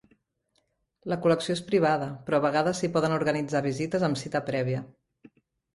La col·lecció és privada, però a vegades s'hi poden organitzar visites amb cita prèvia.